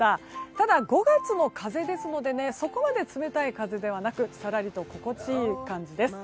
ただ５月の風ですのでそこまで冷たい風ではなくさらりと心地良い感じです。